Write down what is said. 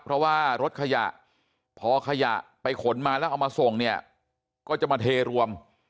เพราะว่ารถขยะพอขยะไปขนมาแล้วเอามาส่งเนี่ยก็จะมาเทรวม